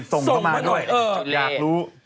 ส่งเข้ามาด้วยอยากรู้